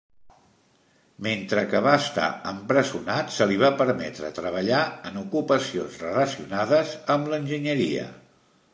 Mentre que va estar empresonat, se li va permetre treballar en ocupacions relacionades amb l'enginyeria.